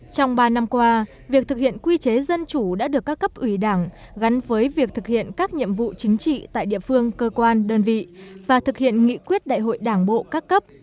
trong ba năm qua việc thực hiện quy chế dân chủ đã được các cấp ủy đảng gắn với việc thực hiện các nhiệm vụ chính trị tại địa phương cơ quan đơn vị và thực hiện nghị quyết đại hội đảng bộ các cấp